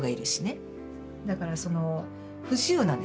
だからその不自由なんですよね。